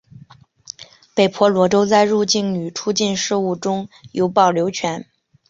北婆罗洲在入境与出境事务中有保留权。